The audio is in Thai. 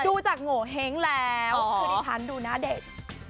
ดูจากโงเห้งแล้วคือดิฉันดูหน้าเด็ก